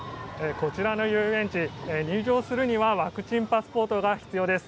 こちらの遊園地入場するにはワクチンパスポートが必要です。